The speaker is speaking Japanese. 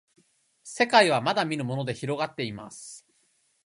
せかいはまだみぬものでひろがっています